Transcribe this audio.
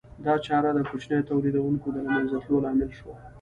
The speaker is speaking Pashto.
دا چاره د کوچنیو تولیدونکو د له منځه تلو لامل شوه